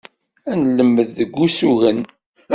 Ad nelmem deg usugen.